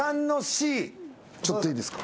ちょっといいですか？